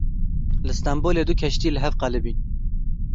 Li Stenbolê du keştî li hev qelibîn.